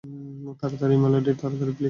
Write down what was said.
তাড়াতাড়ি, মেলোডি, তাড়াতাড়ি, প্লিজ।